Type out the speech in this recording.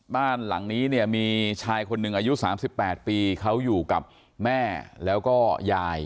บ้านหลังนี้เนี่ยมีชายคนหนึ่งอายุ๓๘ปีเขาอยู่กับแม่แล้วก็ยาย